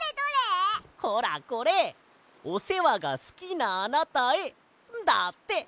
「おせわがすきなあなたへ」だって！